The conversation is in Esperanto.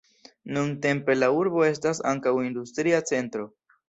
Nuntempe la urbo estas ankaŭ industria centro.